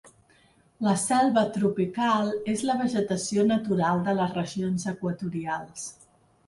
La selva tropical és la vegetació natural de les regions equatorials.